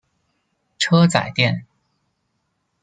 车仔电。